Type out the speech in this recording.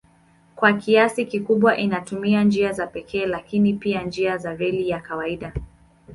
Kwa kiasi kikubwa inatumia njia za pekee lakini pia njia za reli ya kawaida.